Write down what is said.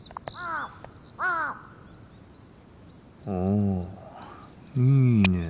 おいいねえ。